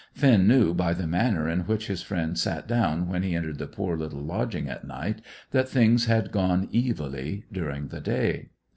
Finn knew by the manner in which his friend sat down when he entered the poor little lodging at night, that things had gone evilly during the day.